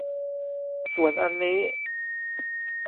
ส่วนอันนี้